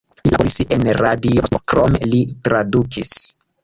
Li laboris en Radio Moskvo, krome li tradukis.